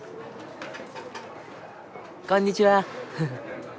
こんにちは。